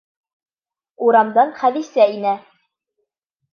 Урамдан Хәҙисә инә.